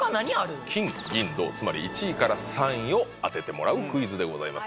金銀銅つまり１位から３位を当ててもらうクイズでございます。